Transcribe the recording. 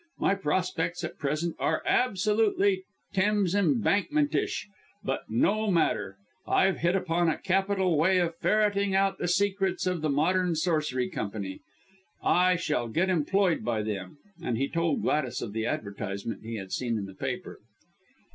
My prospects at present are absolutely Thames Embankmentish, but no matter, I've hit upon a capital way of ferreting out the secrets of the Modern Sorcery Company. I shall get employed by them" and he told Gladys of the advertisement he had seen in the paper.